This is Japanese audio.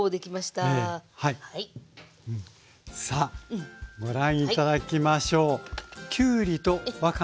さあご覧頂きましょう。